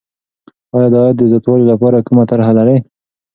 آیا د عاید د زیاتوالي لپاره کومه طرحه لرې؟